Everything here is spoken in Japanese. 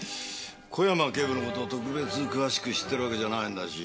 小山警部の事特別詳しく知ってるわけじゃないんだし。